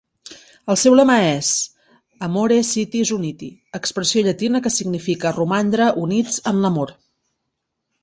El seu lema és "Amore Sitis Uniti", expressió llatina que significa "romandre units en l'amor".